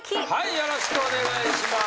よろしくお願いします。